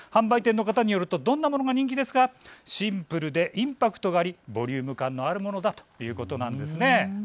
販売店の方によるとシンプルでインパクトがあり、ボリューム感があるものだということなんです。